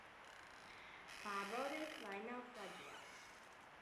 Pārbaudiet, vai nav plaģiāts.